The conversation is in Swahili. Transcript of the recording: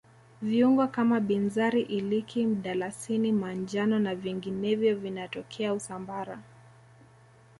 viungo kama binzari iliki mdalasini manjano na vinginevyo vinatokea usambara